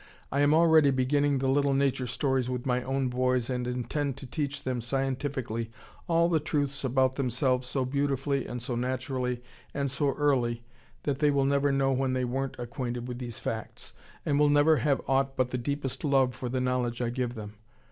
I am already beginning the little nature stories with my own boys and intend to teach them scientifically all the truths about themselves so beautifully and so naturally and so early that they will never know when they weren't acquainted with these facts, and will never have aught but the deepest love for the knowledge I give them.